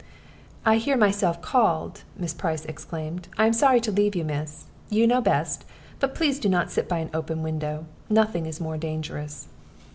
"I hear myself called," Mrs. Price exclaimed. "I am sorry to leave you, miss. You know best. But please not to sit by an open window; nothing is more dangerous."